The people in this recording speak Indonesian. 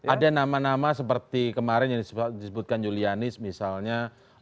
ada nama nama seperti kemarin yang disebutkan julianis misalnya